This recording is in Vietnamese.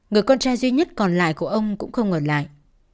người con trai duy nhất còn lại của ông cũng không ở lại